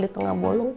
di tengah bolong